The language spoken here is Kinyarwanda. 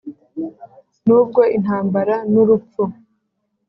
nubwo intambara, n'urupfu! "